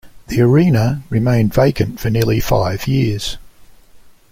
The arena remained vacant for nearly five years.